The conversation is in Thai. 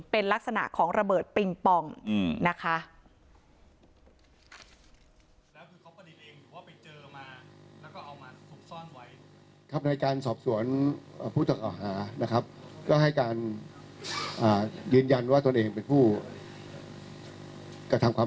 เป็นลักษณะของระเบิดปิงปองนะคะ